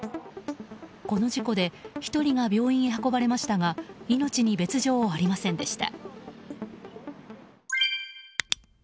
この事故で１人が病院へ運ばれましたが命に別条はありませんでした。